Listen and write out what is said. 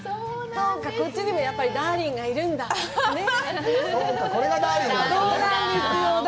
こっちにもダーリンがいるんだ。